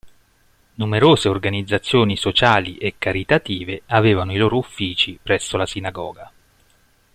Numerose organizzazioni sociali e caritative avevano i loro uffici presso la sinagoga.